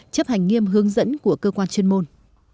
chấp hành nghiêm hướng dẫn của cơ quan chuyên môn